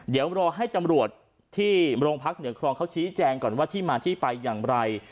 เดี๋ยวรอให้ตำรวจที่โรงพักเหนือครองเขาชี้แจงก่อนว่าที่มาที่ไปอย่างไร